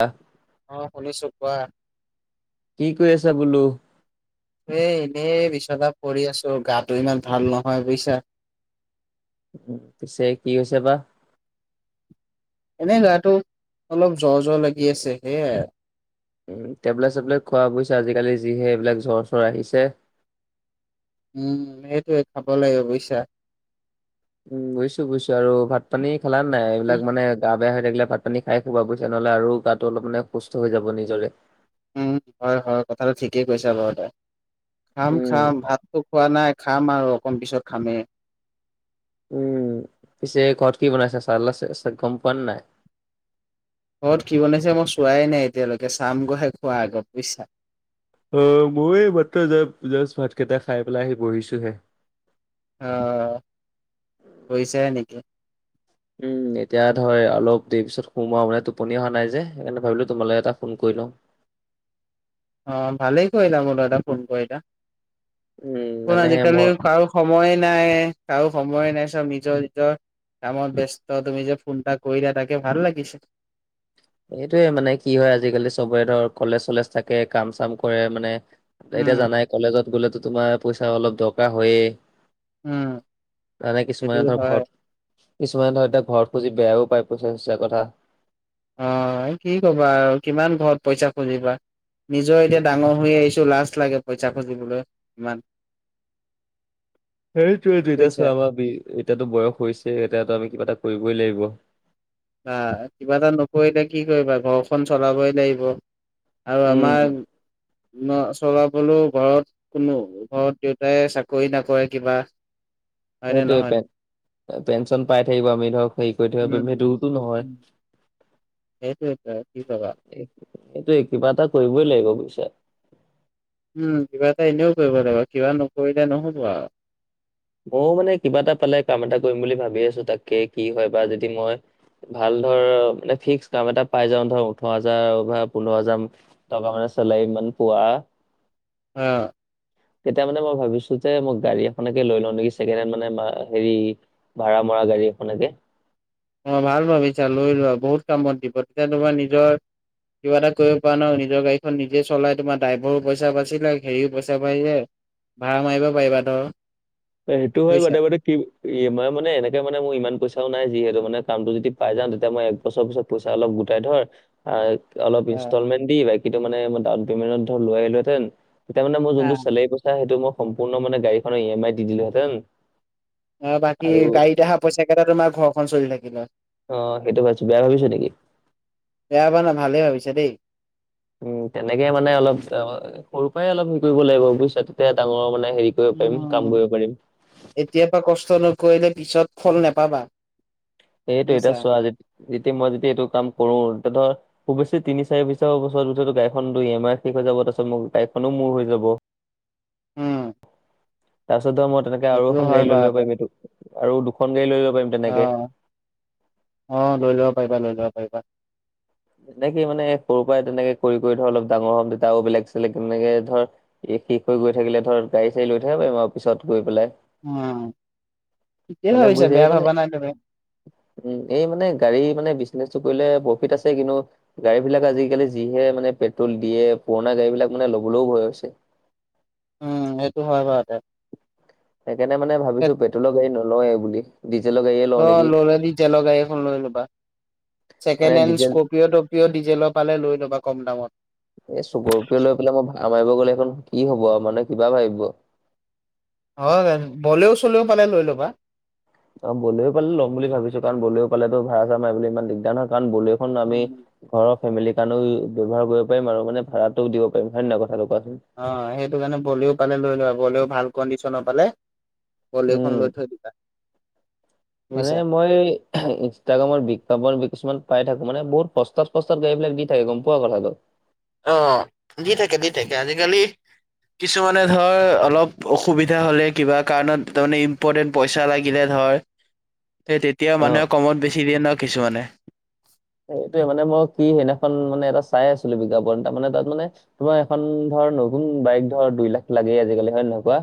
আহ‌, অ শুনিছো কোৱা। কি কৰি আছে বোলো? এ এনেই বিছনাত পৰি আছো, গাটো ইমান ভাল নহয় বুজিছা। উ পিছে কি হৈছে বা। এনেই গাটো অলপ জ্বৰ জ্বৰ লাগি আছে সেয়াই। উম টেবলেট চেবলেট খোৱা বজিছা আজিকালি যিহে এইবিলাক জ্বৰ চ্বৰ আহিছে। উম, সেইটোৱে খাব লাগিব বুজিছা। উম বুইছো বুইছো। আৰু ভাত পানী খালা নাই এইবিলাক মানে গা বেয়া হৈ থাকিলে ভাত পানী খাই খুবা বুজিছা নহলে আৰু গাটো অলপ মানে সুস্থ হৈ যাব নিজৰে। উম হয় হয় কথাটো ঠিকেই কৈছে বাৰু তই। খাম উম খাম ভাতটো, খোৱা নাই, খাম আৰু অকণ পিছত খামেই। উম, পিছে ঘৰত কি বনাইছে চা গম পোৱানে নাই? ঘৰত কি বনাইছে মই চোৱাই নাই এতিয়ালৈকে, চাম গৈহে খোৱা আগত বুইছা। অ মই মাত্ৰ জাষ্ট ভাত কেইটা খাই পেলাই আহি বহিছোহে। অ, শুইছাই নেকি? [unintelligible] উম এতিয়া ধৰ অলপ দেৰি পিছত শুম আও মানে টোপনি অহা নাই যে, সেইকাৰণে ভাবিলো তোমালে এটা ফোন কৰি লওঁ। অ, ভালেই কৰিলা মোলৈ এটা ফোন কৰিলা উম ফোন মানে আজিকালি মই কাৰো সময়ে নাই কাৰো সময়ে নাই চব নিজৰ- নিজৰ কামত ব্যস্ত তুমি যে ফোনটা কৰিলা তাকে ভাল লাগিছে। এইটোৱে মানে কি হয় আজিকালি চবৰে ধৰ কলেজ চলেজ থাকে কাম চাম কৰে মানে। এতিয়া উম জানাই কলেজত গ'লেতো তোমাৰ পইচা অলপ দৰকাৰ হয়েই। উম তাৰে সেইটো কিছুমান ধৰ হয় ঘৰ কিছুমান ধ এতিয়া ঘৰত খুজি বেয়াও পায় পইচা চইচাৰ কথা। অ, কি কবা আৰু কিমান ঘৰত পইচা খুজিবা। নিজৰ এতিয়া ডাঙৰ হৈ আহিছো লাজ লাগে পইচা খুজিবলৈ ইমান। সেইটোৱেটো এতিয়া বুজিছা চাভাবিক এতিয়াতো বয়স হৈছে এতিয়াতো আমি কিবা এটা কৰিবই লাগিব। বা কিবা এটা নকৰিলে কি কৰিবা ঘৰখন চলাবই লাগিব। আৰু উম আমাৰ ন চলাবলৈও ঘৰত কোনো ঘৰত দেউতাই চাকৰি নকৰে কিবা হয়নে সেইটো নহয় পে পেঞ্চন পাই থাকিব আমি ধৰক হেৰি কৰি থব পাৰিম উম সেইটোতো নহয়। এইটো ট্ৰাই কি কবা এইটো কিবা এটা কৰিবই লাগিব বুজিছে। উম, কিবা এটা এটা এনেও কৰিব লাগিব কিবা নকৰিলে নহ'ব আৰু। ময়ও মানে কিবা এটা পালে কাম এটা কৰিম বুলি ভাবি আছো তাকে কি হয় বা যদি মই ভাল ধৰ মানে ফিক্স কাম এটা পাই যাও ধৰ ওঠৰ হাজাৰ বা পোন্ধৰ হাজাৰ টকা মানে চেলাৰি ইমান পুৱা। অ', তেতিয়া মানে মই ভাবিছো যে মই গাড়ী এখননেকে লৈ লও নেকি ছেকেণ্ড হেণ্ড মানে হেৰি ভাড়া মৰা গাড়ী এখনেকে। অ' ভাল ভাবিছা লৈ লোৱা বহুত কামত দিব তেতিয়া তোমাৰ নিজৰ কিবা এটা কৰিব প পৰা নাই নিজৰ গাড়ীখন নিজে চলাই তোমাৰ ড্ৰাইভৰো পইচা পাইছিলে হেৰিও পইচা পাই যায়। ভাড়া মাৰিব পাৰিবা ধৰ। সেইটো হয় বুজিছা, [unintelligible] কি মই মানে এনেকে মানে মোৰ ইমান পইচাও নাই যিহেতু মানে কামটো যদি পাই যাও তেতিয়া মই বছৰ পিছত পইচা অলপ গোটাই ধৰ। অলপ অ', ইনষ্টলমেন্ট দি বাকিটো মানেই ডাউন পেমেন্টত ধ লৈ আহিলোহেতেন। তেতিয়া মানে মোৰ যোনটো অ', চেলাৰী পইচা সেইটো মই সম্পূৰ্ণ মে গাড়ীখনৰ ই এম আই দি দিলোহেতেন। অ' বাকী গাড়ীত অহা পইচা কেইটা তোমাৰ ঘৰখন চলি থাকিলা হয়। অ' সেইটো ভাবিছো বেয়া ভাবিছো নেকি। বেয়া পোৱা ন ভালেই ভাবিছা দেই। উম, তেনেকে মানে অলপ অ, সৰুৰ পৰাই অলপ হেৰি কৰিব লাগিব বুজিছা তেতিয়া ডাঙৰ মানে হেৰি কৰিব পাৰিম কাম অ' কৰিব পাৰিম এতিয়া পৰা কষ্ট নকৰিলে পিছত ফল নেপাবা। এইটো এতিয়া বুজিছা, চোৱা যেতিয়া মই এইটো কাম কৰো তেতিয়া ধৰ খুব বেছি তিনি চাৰিছৰ বছৰত পিছত গাড়ীখন ই এম আই ঠিক হৈ যাব তাৰপাছত মোৰ বাইকখন মোৰ হৈ যাব। উম। তাৰপিছত ধৰা মই তেনেকে আৰু সেইটো এখন হয় গাড়ী লৈ বাৰু ল'ব এটা, পাৰিম এইটো আৰু দুখন গাড় লৈ লব পাৰিম তেনেকে। অ', অ' লৈ লব পাৰিবা লৈ লব পাৰিবা। এনেকে মানে সৰুৰ পৰাই তেনেকে কৰি কৰি অলপ ডাঙৰ হ'ব দেতাও বেলেগ চছিলেগ তেনেকে ধৰ এই শেষ হৈ গৈ থাকিলে ধৰ গাড়ী চড়ী লৈ থাকিব পাৰিম আৰু পিছত গৈ পেলাই উম, ঠিকেই ভাবিছা বেয়া ভাবা নাই তুমি [unintelligible] উম, এই মানে গাড়ী মানে বিজনেচটো কৰিলে প্ৰফিট আছে কিন্তু গাড়ীবিলাক আজিকালি যিহে পেট্ৰল দিয়ে দিয়ে পুৰণা গাড়ী বিলাক মানে ল'বলেও ভয় হৈছে। উম, এইটো হয় বাৰুতে। সেইকাৰণে মানে ভাবিছো সেইটো পেট্ৰলৰ গাড়ী নলও বুলি ডিজেলৰ গাড়ী অ' ললে দি জেলৰ গাড়ী এখন লৈ লবা মানে ছেকেণ্ড হেণ্ড ডিজেল স্কৰপিঅটো কিয় ডিজেলৰ পালে লৈ লবা কম দামত। এ চুকৰ প লৈ পেলাই মই ভা মাৰিব গ'লে সেইখন কি হব মানে কিবা ভাবিব? হল আৰু বলেও চলেও পালে লৈল'বা। অ' বলেও পালে ল'ম বুলি ভাবিছো কাৰণ বলেও পালেতো ভাড়া চা মাই বুলি ইমান দিগদাৰ নহয় কাৰণ বলেখন আমি ঘৰৰ ফেমিলিৰ কাৰণেও ব্যৱহাৰ কৰিব পাৰিম আৰু মানে ভাড়াটো দিব পাৰিম হয় নে নহয় কথাটো কোৱাচোন? অ' সেইটো কাৰণে বলেও পালে লৈ লয় বলেও ভাল কণ্ডিশনৰ পালে। বলেৰখন উম লৈ থৈ দিবা মানে বুজিছা? মই ইনষ্টাগ্ৰামৰ বিজ্ঞাপৰ কিছুমান পাই থাকো মানে বহুত প্ৰস্ত প্ৰস্তাদ গাড়ী এইবিলাক দি থাকে গম পোৱা কথাটো। অ, দি থাকে দি থাকে, আজিকালি। কিছুমানে ধৰ অলপ অসুবিধা হলে কিবা কাৰণত তাৰমানে ইম্পৰৰ্টেণ্ট, পইচা লাগিলে ধৰ, সেই তেতিয়া অ মানুহে কমত বেছি দিয়ে ন কিছুমানে? এইটোয়ে মানে মই কি সেইদিনাখন মানে এটা চাই আছিলো বিজ্ঞাপন তাৰ মানে তাত মানে? তোমাৰ এখন ধৰ নতুন বাইক ধৰ দুই লাখতো লাগেই আজিকালি হয় নে নহয় কুৱা?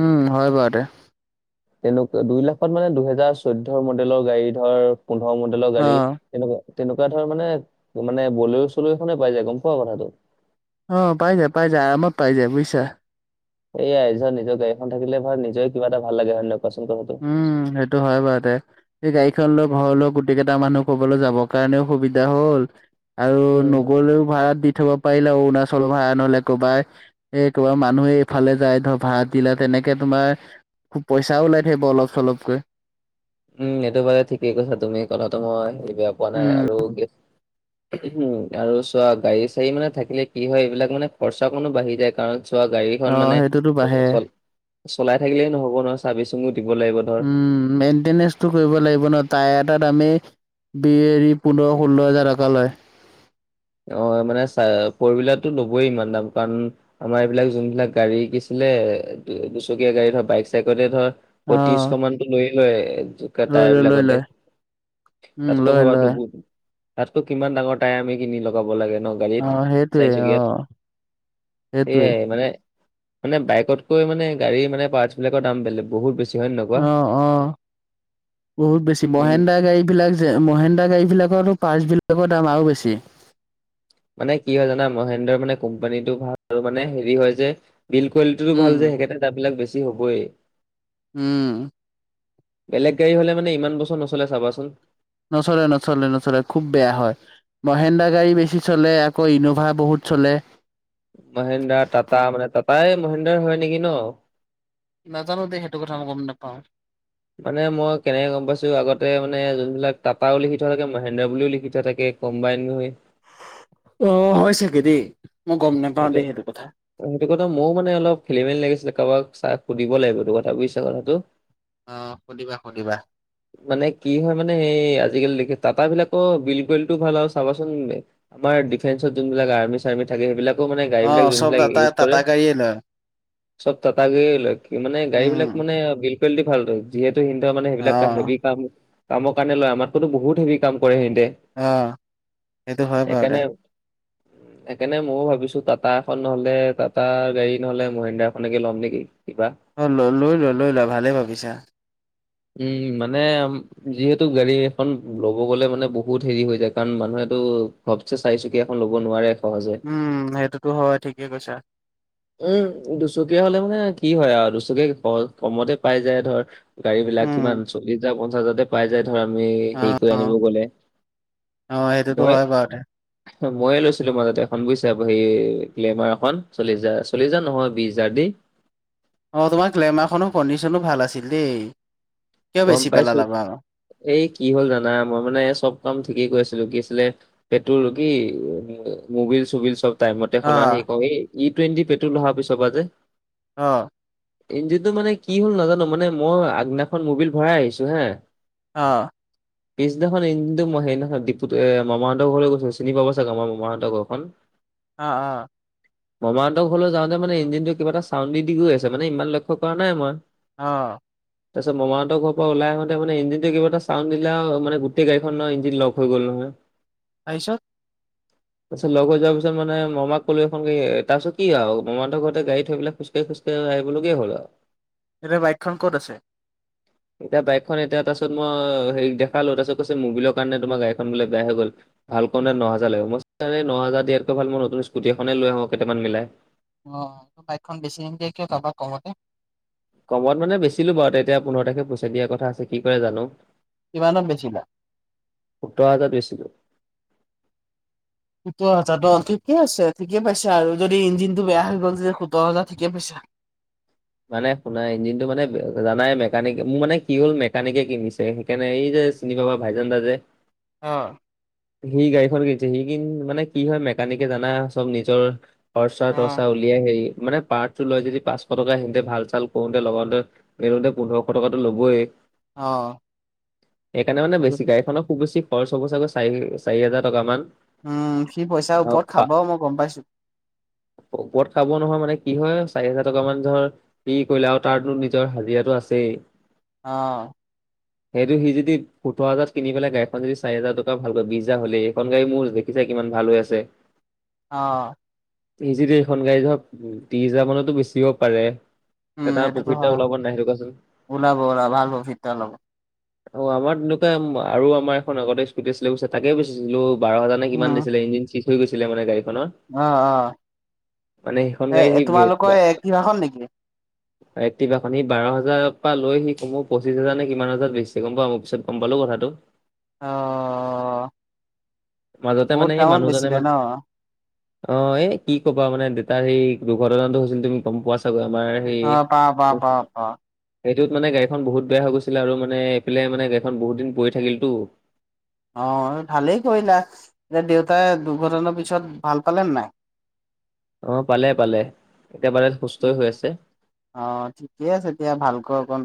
উম হয় বাৰু দে। তেনেকুৱা দুই লাখত মানে দুহেজাৰ চৈধ্য মডেলৰ গাড়ী ধৰ পোন্ধৰ মডেলৰ গাড়ী। অ তেনেকুৱা তেনেকুৱা ধৰ মানে, মানে বলেৰ চলেৰখনহে পোৱা যায় গম পোৱা কথাটো? অ পাই যায় পাই যায় আৰামত পাই যায় বুজিছা? এয়াই ধৰ নিজৰ গাড়ীখন থাকিলে ধৰ নিজেৰে কিবা এটা ভাল লাগে হয় ন? উম সেইটো হয় বাৰু দে। সেই গাড়ীখন লৈ ঘৰলৈ গোটেইকেইটা মানুহ কৰবালৈ যাবৰ কাৰণেও সুবিধা হ'ল। আৰু উম, নগলেও ভাড়াত দি থব পাৰিলে অৰুণাচলৰ ভাড়া নহ'লে কৰবাত। এ তোমাৰ মানুহে এইফালে যায় ধৰা ভাড়া দিলা তেনেকে তোমাৰ খুব পইচাও উলাই। থাকিব অলপ চলপকৈ। উম এইটো বাৰু ঠিকেই কৈছা তুমি কথাটো মই হেৰি বেয়া পোৱা নাই উম, আৰু উহুম আৰু চোৱা গাড়ী চাড়ী মানে থাকিলে কি হয় এইবিলাক মানে খৰচা কণো বাঢ়ি যায় কাৰণ চ, চোৱা গাড়ীখন অ', মানে সেইটোতো বাঢ়ে। চলাই থাকিলেই নহ'ব নহয় চাৰ্ভিচিংও দিব লাগিব। ধৰ। উম মেইনটেনেচটো কৰিব লাগিব ন, তায়াৰ এটা দাম, দামে বি এৰি পোন্ধৰ- ষোল্ল হাজাৰ টকা লয়। অ মানে ছাই পৰবিলাকতু ল'বই ইমান দাম কাৰণ আমাৰ এইবিলাক যোনবিলাক গাড়ী শিকিছিলে দুচকীয়া গাড়ী ধৰ বাইক - চাইকতে ধৰ পঁয়ত্ৰিছশ অ', মানটো লৈয়ে লয় এপতোত। লৈ লয়, লৈ টাইবিলাকতে লয়। উম, তাতকে লয়, ভবা লয়। দুগুণ। তাতকৈ কিমান ডাঙৰ টায়াৰ আমি কিনি লগাব লাগে ন? গাড়ীত অ', সেইটোৱে চাই চুকীয়াত অ', সেইটোৱে। সেয়াই মানে? মানে বাইকতকৈ মানে গাড়ী মানে পাৰটছবিলাকৰ দাম বেলেগ বহুত বেছি। হয় নে নহয় কোৱা? অ, অ বহুত বেছি, উম। মহেন্দা গাড়ীবিলাক যে। মহেন্দ্ৰা গাড়ী বিলাকৰতো পাটৰ্চবিলাকৰ দাম আৰু বেছি। মানে কি হয় জানা মহেন্দ্ৰৰ মানে কোম্পানীটো ভাল আৰু মানে হেৰি হয় যে। বিল কোৱালিটিও উম, ভাল যে সেই কাৰণে দাম বিলাক বেছি হ'বই। উম। বেলেগ গাড়ী হ'লে মানে ইমান বছৰ নচলে চাবাচোন? নচলে নচলে নচলে খুব বেয়া হয়। মহেন্দা গাড়ী বেছি চলে আকৌ ইন'ভা বহুত চলে। মহেন্দ্ৰা টাটা মানে টাটাই মহেন্দ্ৰ হয় নেকি ন? নাজানো দেই সেইটো কথা মই গম নেপাওঁ? মানে মই কেনেকে গম পাইছো আগতে মানে যোনবিলাক টাটাও লিখি থোৱা থাকে মহেন্দ্ৰা বুলিও লিখি থোৱা থাকে। কম্বাইন হৈ। অ হয় চাগে দেই? মই গ'ম নোপাও দেই সেইটো কথা? সেইটো কথাত ময়ো মানে অলপ খেলি মেলি লাগিছিলে কাৰোবাক চাক সুধিব লাগিব এইটো কথা বুজিছা কথাটো? অ, সুধিবা সুধিবা? [inaudible] মানে কি হয় মানে এই আজিকালি দেখি টাটা বিলাকৰ বিল কোৱালিটিতো ভাল আৰু চাবাচোন, আমাৰ ডিফেন্সত যোনবিলাক আৰ্মি চাৰ্মি থাকে সেইবিলাকো মানে গাড়ীবিলাক অ', চব যোনবিলাক টাটা, ইউজ কৰে। টাটা গাড়ীয়ে লয় চব টাটা গাড়ীয়ে লয় কি মানে গাড়ী বিলাক উম, মানে বিলকুৱালিটি ভালতো। যিহেতু সিহঁতে মানে সেইবিলাক অ', হেভি কাম কামৰ কাৰণে লয় আমাকতো বহুত হেভি কাম কৰে সিহঁতে। অঁ! সেইটো হয় বাৰু সেইকাৰণে দে। সেইকাৰণে ময়ো ভাবিছোঁ তো টাটা এখন নহ'লে টাটা গাড়ী নহ'লে মহিন্দ্ৰা এখনকে ল'ম নেকি কিবা। অঁ! লৈ লোৱা লৈ লোৱা ভালে ভাবিছা। উম! মানে যিহেতু গাড়ী এখন ল'ব গ'লে মানে বহুত হেৰি হৈ যায় কাৰণ মানুহেতো ঘপচে চাৰি চুকীয়া এখন ল'ব নোৱাৰে সহজে। উম! সেইটোতো হয় ঠিকে কৈছা। উম! দুচুকীয়া হ'লে মানে কি হয় আৰু দুচুকীয়া কমতে পাই যায় ধৰ। গাড়ী বিলাক উম, কিমান চল্লিছ হাজাৰ, পঞ্চাশ হাজাৰতে পাই যায়। ধৰ আমি হেৰিকৈ অ', অ'। আনিব গ'লে অ সেইটোতো মই হয় বাৰুতে মইয়ে লৈছিলো মাজতে এখন বুইছা হেৰি গ্লেমাৰ এখন চল্লিছ হাজাৰ। চল্লিছ হাজাৰ নহয় বিছ হাজাৰ দি। অঁ! তোমাৰ গ্লেমাৰখনৰ কণ্ডিশ্যনো ভাল আছিল দেই। কিয় গম বেছি পাইছোঁ। পেলালা বাৰু এই কি হ'ল জানা মই মানে চব কাম ঠিকেই কৰি আছিলোঁ কি আছিলে পেট্ৰল কি উম মবিল-চবিল চব। টাইম মতে অ হলা সেই ক এই ই টুৱেণ্টি পেট্ৰল অহাৰ পিছ পা যে। অঁ! ইঞ্জিনটো মানে কি হ'ল নাজানো মানে মই আগদিনাখন মবিল ভৰাই আহিছোঁ হা। অঁ! [inaudible] পিছদিনাখন ইঞ্জিনটো মই সেইদিনাখন ডিফুত মামাহঁতৰ ঘৰলৈ গৈছোঁ, চিনি পাব চাগে আমাৰ মামাহঁতৰ ঘৰখন। [inaudible] অঁ-অঁ! মামাহঁতৰ ঘৰলে যাওঁতে মানে ইঞ্জিনটো কিবা এটা চাউণ্ড দি-দি গৈ আছে মানে ইমান লক্ষ্য কৰা নাই মই। অঁ! তাৰপিছত মামাহঁতৰ ঘৰৰ পৰা ওলাই আহোঁতে মানে ইঞ্জিনটোৱে কিবা এটা চাউণ্ড দিলে আও গোটেই গাড়ীখনৰ ইঞ্জিন লগ হৈ গ'ল নহয়। [inaudible] তাৰপিছত? [inaudible] তাৰপিছত লগ হৈ যোৱাৰ পিছ মানে মমাক কলো এখন গাড়ী তাৰ পিছত কি আৰু মামাহঁতৰ ঘৰতে গাড়ী থৈ পেলাই খোজকাঢ়ি খোজ তে আহিবলগীয়া হ'ল আও। এতিয়া বাইকখন ক'ত আছে? এতিয়া বাইকখন এতিয়া তাৰপিছত মই হেৰিক দেখালো তাৰপিছত কৈছে মবিলৰ কাৰণে বোলে তোমাৰ গাড়ীখন বোলে বেয়া হৈ গ'ল। ভাল কৰোঁতে ন হাজাৰ লাগিব মই কৈছোঁ এই ন হাজাৰ দিয়াতকৈ ভাল মই নতুন স্কুটি এখনে লৈ আহোঁ কেইটামান মিলাই। অঁ! বাইকখন বেছি নিদিয় কিয় কাৰোবাক কমতে। কমত মানে বেচিলো বাৰু এতিয়া পোন্ধৰ তাৰিখে পইচা দিয়া কথা আছে কি কৰে জানো। কিমানত বেছিবা? সোতৰ হাজাৰত বেছিলো। সোতৰ হাজাৰ ত ঠিকে আছে ঠিকে পাইছে আৰু যদি ইঞ্জিনটো বেয়া হৈ গ'ল যে সোতৰ হাজাৰ ঠিকে পাইছা। মানে শুনা ইঞ্জিনটো মানে জানাই মেকানিক মোৰ মানে কি হ'ল মেকানিকে কিনিছে। কেনে এই যে চিনি পাবা ভাইজান দা যে। অঁ! সি গাড়ীখন কিনিছে। সি কিন- মানে কি হয়, মেকানিকে জানা চব নিজৰ অ খৰচা-তৰচা উলিয়াই হেৰি- মানে পাৰ্টো লৈ যদি পাঁচশ টকা তে ভাল-চাল কৰোঁতে, লগাওঁতে, মেলোতে পোন্ধৰশ টকাতো লবই। অ সেইকাৰণে মানে সেইটো বেছি গাড়ীখনক খুব বেছি খৰচ হ'ব চাগৈ চাৰি- চাৰি হাজাৰ টকা মান। উম, সি পইচাৰ আৰু ওপৰত পা খাব মই গম পাইছোঁ। ওপৰত খাব নহয় মানে কি হয়, চাৰি হাজাৰ টকা মান ধৰ সি কৰিলে আৰু তাৰতো নিজৰ হাজিৰাটো আছেই। অ'। [unintelligible] সেইটো সি যদি সোতৰ হাজাৰত কিনি পেলাই গাড়ীখন যদি চাৰি হাজাৰ টকা ভালকৈ বিশ হাজাৰ হলেই, এখন গাড়ী মোৰ দেখিছা কিমান ভাল হৈ আছে। অ'। ইজিতে এইখন গাড়ী ধৰক ত্ৰিছ হাজাৰ মানতো বেচিব পাৰে। তা উম তাৰ সেইটোতো প্ৰফিটটা হয় ওলাব নাই সেইটো কোৱাচোন? ওলাব ওলাব ভাল প্ৰফিট এটা ওলাব অ' আমাৰ তেনেকুৱা- আৰু আমাৰ এখন আগতে স্কুটি আছিলে বুইছা তাকে বেচিছিলো। বাৰ হাজাৰ নে কিমান উম দিছিলে, ইঞ্জিন চিচ হৈ গৈছিলে মানে গাড়ীখনৰ। অ' অ'। মানে সেইখন গাড়ী সি এই তোমালোকৰ এক্টিভাখন নেকি? এক্টিভাখন। সি বাৰ হাজাৰৰ পা লৈ সি কমও পচিছ হাজাৰ নে কিমান হাজাৰত বেছিছে, গম পাওঁ মোক পিছত গম পালোঁ কথাটো। অ', মাজতে বহুত মানে এই দামত মানুহজনে বেচিলে মা ন? অ' এ কি কবা, মানে দেউতাৰ সেই দুৰ্ঘটনাটো হৈছিল, তুমি গম পোৱা চাগৈ আমাৰ সেই অ', পাওঁ, পাওঁ, পাওঁ, পাওঁ, [inaudible] সেইটোত মানে গাড়ীখন বহুত বেয়া হৈ গৈছিলে আৰু মানে এইফালে মানে গাড়ীখন বহুত দিন পৰি থাকিল তো অ' ভালেই কৰিলা। এ দেউতাই দুৰ্ঘটনাৰ পিছত ভাল পালেন নাই? অ' পালে পালে, একেবাৰে সুস্থ হৈ আছে। অ' ঠিকে আছে এতিয়া ভালকৈ অকণ।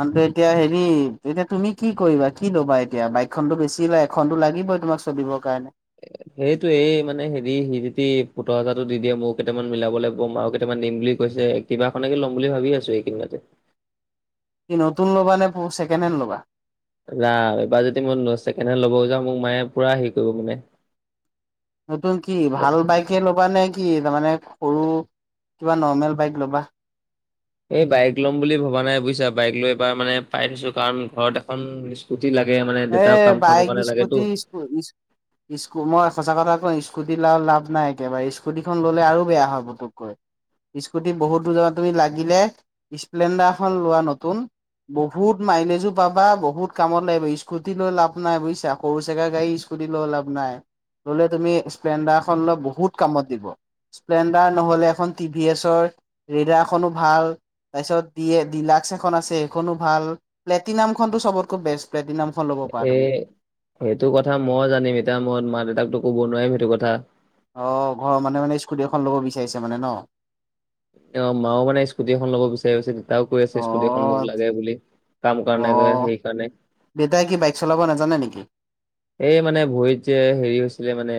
মানুহটোৱে এতিয়া হেৰি, এতিয়া তুমি কি কৰিবা? কি ল'বা এতিয়া? বাইকখনতো বেচিলাই, এখনতো লাগিবই তোমাক চলিব কাৰণে। সেইটোৱে, এই মানে হেৰি সি যদি পুত হাজাৰো দি দিয়ে মোক কেইটামান মিলাবলে, ম মাও কেইটামান দিম বুলি কৈছে, কিবা এখনকে লম বুলি ভাবি আছোঁ এইকেদিনতে। কি নতুন লবা নে প- ছেকেণ্ড হেণ্ড লবা? না এইবাৰ যদি মই ছেকেণ্ড হেণ্ড ল'ব যাওঁ, মোক মায়ে পুৰা হেৰি কৰিব মানে নতুন কি গম ভাল বাইকে ল'বা নে কি, তাৰমানে সৰু, কিবা নৰ্মেল বাইক ল'বা? এই বাইক ল'ম বুলি ভবা নাই, বুইছা। বাইক লৈ এইবাৰ মানে পাই থৈছোঁ, কাৰণ ঘৰত এখন স্কুটি লাগে, মানে দেউতাক কাম-চামৰ কাৰণে লাগেতো। হয় ইছ্ ইস্কু- মই সঁচা কথা কওঁ, স্কুটি ল- লাভ নাই একেবাৰে। স্কুটিখন ল'লে আৰু বেয়া হয় পুটুককৈ। স্কুটি বহুত দূৰ জাগা তুমি লাগিলে স্প্লেণ্ডাৰখন লোৱা নতুন। বহুত মাইলেজো পাবা, বহুত কামত লাগিব, ই স্কুটি লৈ লাভ নাই, বুইছা। সৰু চেগা গাড়ী স্কুটি লৈ লাভ নাই। ললে তুমি স্প্লেণ্ডাৰখন লোৱা, বহুত কামত দিব। স্প্লেণ্ডাৰ নহলে এখন টি ভি এছৰ ৰেডাৰখনো ভাল। তাৰপিছত ডিএ- ডিলাক্স এখন আছে, সেইখনো ভাল। প্লেটিনামখনতো চবতকৈ বেষ্ট, প্লেটিনাম এ সেইটো কথা মই জানিম, এতিয়া মই মা-দেউতাকতো ক'ব নোৱাৰিম সেইটো কথা। অ, ঘৰৰ মানুহে মানে স্কুটি এখন ল'ব বিচাৰিছে মানে ন। অ, মাও মানে স্কুটি এখন ল'ব বিচাৰিছে। দেউতাও কৈ আছে স্কুটিখন মোক অ', লাগে বুলি। কাম কাৰণে [unintelligible] অ', সেইকাৰণে। দেউতাই কি বাইক চলাব নাজানা নেকি? এই মানে ভৰিত যে হেৰি হৈছিলে মানে